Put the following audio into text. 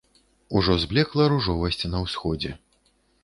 Ужо зблекла ружовасць на ўсходзе.